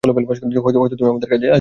হয়তো তুমি আমাদের কাজে আসবে।